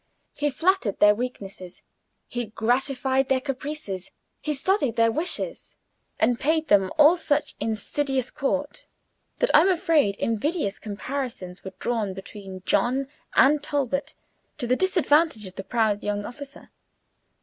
He flattered their weaknesses, he gratified their caprices, he studied their wishes, and paid them all such insidious court, that I'm afraid invidious comparisons were drawn between John and Talbot, to the disadvantage of the proud young officer.